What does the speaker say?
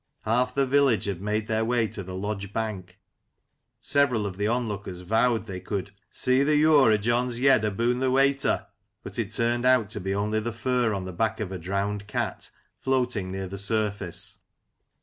Half the village had made their way to the lodge bank. Several of the onlookers vowed they could " see th' yure o' John's yed aboon* th' waytef !" but it turned out to be only the fur on the back of a drowned cat floating near the surface.